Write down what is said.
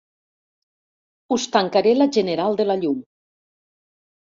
Us tancaré la general de la llum”.